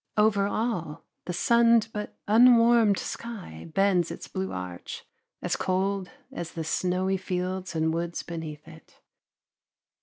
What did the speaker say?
Over all, the sunned but unwarmed sky bends its blue arch, as cold as the snowy fields and woods beneath it.